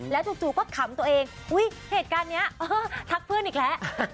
จู่ก็ขำตัวเองอุ๊ยเหตุการณ์นี้ทักเพื่อนอีกแล้ว